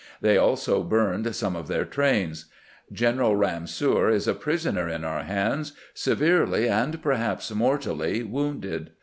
They also burned some of their trains. General Ramseur is a prisoner in our hands, severely, and perhaps mortally, wounded.